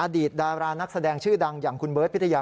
ดารานักแสดงชื่อดังอย่างคุณเบิร์ตพิทยา